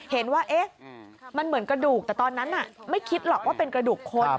เห็นว่ามันเหมือนกระดูกแต่ตอนนั้นไม่คิดหรอกว่าเป็นกระดูกคน